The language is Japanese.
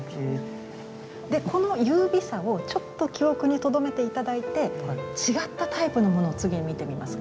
でこの優美さをちょっと記憶にとどめて頂いて違ったタイプのものを次に見てみます。